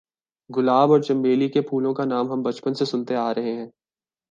گلاب اور چنبیلی کے پھولوں کا نام ہم بچپن سے سنتے آ رہے ہیں۔